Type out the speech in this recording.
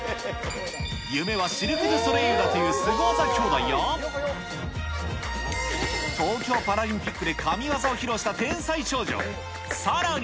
夢はシルク・ドゥ・ソレイユだというスゴ技兄妹や、東京パラリンピックで神業を披露した天才少女。